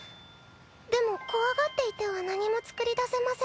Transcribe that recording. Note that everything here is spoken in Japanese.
でも怖がっていては何も作り出せません。